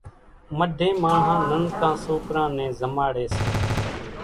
مڍين ماڻۿان ننڪان سوڪران نين زماڙي سي